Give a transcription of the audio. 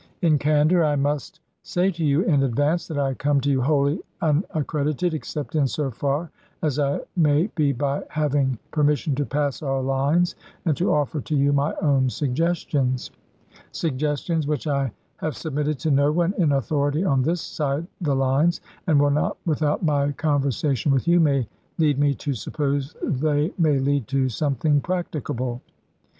In candor I must say to you in advance that I come to you wholly unac credited except in so far as I may be by having permis sion to pass our lines and to offer to you my own suggestions — suggestions which I have submitted to no one in authority on this side the lines, and will not, with out my conversation with you may lead me to suppose they may lead to something practicable.